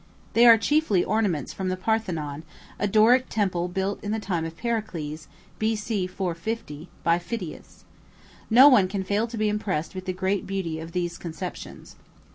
They are chiefly ornaments from the Parthenon, a Doric temple built in the time of Pericles, B.C. 450, by Phidias. No one can fail to be impressed with the great beauty of these conceptions.